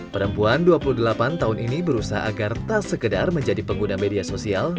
perempuan dua puluh delapan tahun ini berusaha agar tak sekedar menjadi pengguna media sosial